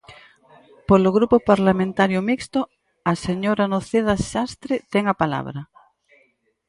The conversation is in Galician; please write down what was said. Polo Grupo Parlamentario Mixto, a señora Noceda Xastre ten a palabra.